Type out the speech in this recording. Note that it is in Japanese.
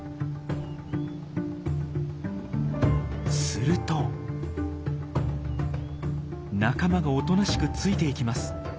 すると仲間がおとなしくついていきます。